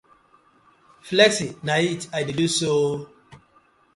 Flexing na it I dey so ooo.